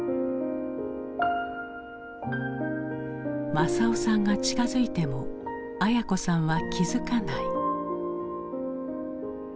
政男さんが近づいても文子さんは気付かない。